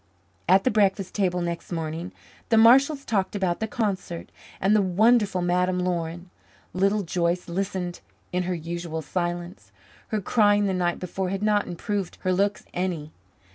At the breakfast table next morning the Marshalls talked about the concert and the wonderful Madame Laurin. Little Joyce listened in her usual silence; her crying the night before had not improved her looks any.